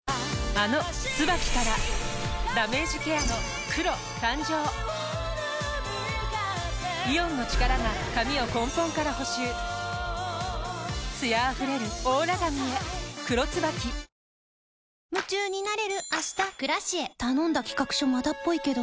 あの「ＴＳＵＢＡＫＩ」からダメージケアの黒誕生イオンの力が髪を根本から補修艶あふれるオーラ髪へ「黒 ＴＳＵＢＡＫＩ」頼んだ企画書まだっぽいけど